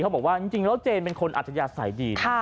บอกว่าจริงแล้วเจนเป็นคนอัธยาศัยดี